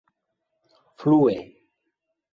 flue